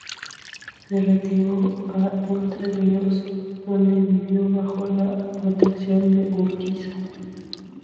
Se retiró a Entre Ríos, donde vivió bajo la protección de Urquiza.